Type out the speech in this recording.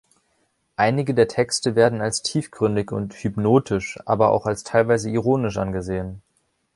Einige der Texte werden als tiefgründig und „hypnotisch“, aber auch als teilweise ironisch angesehen.